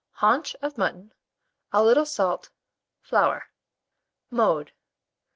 Haunch of mutton, a little salt, flour. Mode.